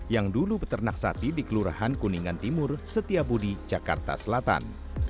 yang dulu peternak sapi di kelurahan kuningan timur setiabudi jakarta selatan